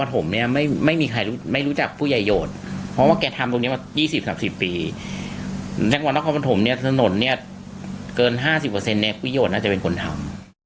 ของผมเนี่ยไม่ไม่มีใครไม่รู้จักผู้ยายโยธเพราะว่าแกทำตรงนี้นะครับสิบปี